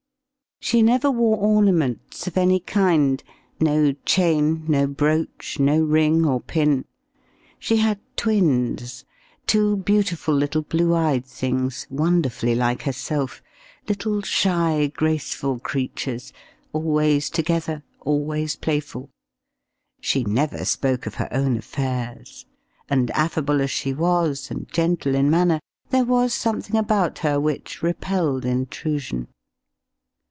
She never wore ornaments of any kind, no chain, no brooch, no ring or pin. She had twins two beautiful little blue eyed things, wonderfully like herself little shy, graceful creatures, always together, always playful. She never spoke of her own affairs, and affable as she was, and gentle in manner, there was something about her which repelled intrusion.